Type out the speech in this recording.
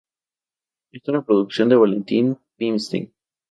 Es una producción de Valentín Pimstein.